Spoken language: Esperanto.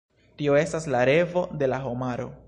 Tio estas la revo de la homaro.